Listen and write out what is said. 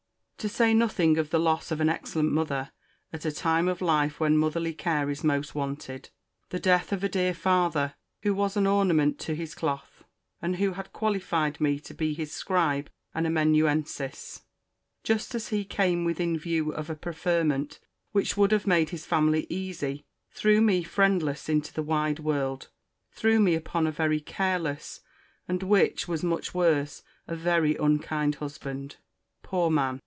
To say nothing of the loss of an excellent mother, at a time of life when motherly care is most wanted; the death of a dear father, who was an ornament to his cloth, (and who had qualified me to be his scribe and amanuensis,) just as he came within view of a preferment which would have made his family easy, threw me friendless into the wide world; threw me upon a very careless, and, which was much worse, a very unkind husband. Poor man!